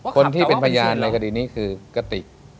คนที่เป็นพยานในค่ะดีคือกระติก